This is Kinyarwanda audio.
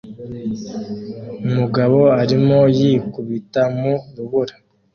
Umugabo arimo yikubita mu rubura